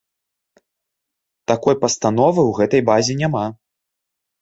Такой пастановы ў гэтай базе няма.